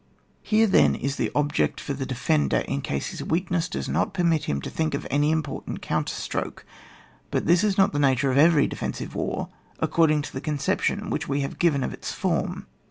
Here, then, is the object for the de fender, in case his weakness does not permit him to think of any important coimterstroke. But this is not the nature of every defensive war, according to the conception which we have given of its form.